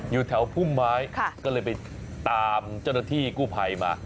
อยู่แถวพุ่มไม้ก็เลยไปตามเจ้าหน้าที่กู้ภัยมา